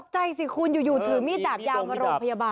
ใจสิคุณอยู่ถือมีดดาบยาวมาโรงพยาบาล